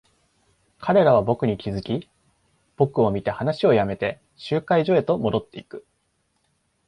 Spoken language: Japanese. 彼らは僕に気づき、僕を見て話を止めて、集会所へと戻っていく。